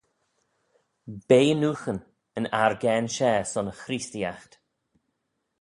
"Bea Nooghyn; yn argane share son Chreesteeaght."